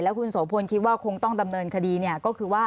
คุณโสพลคิดว่าคงต้องดำเนินคดีก็คือว่า